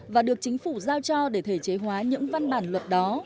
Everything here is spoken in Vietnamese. và được chính phủ giao cho để thể chế hóa những văn bản luật đó